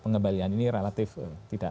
pengembalian ini relatif tidak